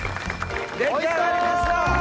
出来上がりました！